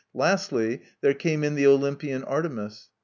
Lastly there came in the Olympian Artemis.